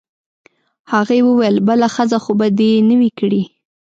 هغې وویل: بله ښځه خو به دي نه وي کړې؟